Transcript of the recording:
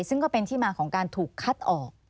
ซึ่งก็เป็นที่มาของการถูกคัดออก